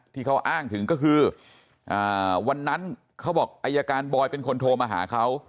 ที่เขาอ้างถึงก็คือวันนั้นเขาบอกอายการบอยเป็นคนโทรมาหาเขา